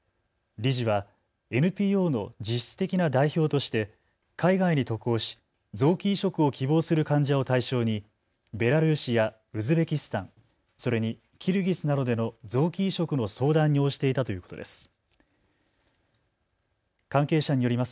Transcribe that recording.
理事はＮＰＯの実質的な代表として海外に渡航し臓器移植を希望する患者を対象にベラルーシやウズベキスタン、それにキルギスなどでの臓器移植の相談に応じていたということです。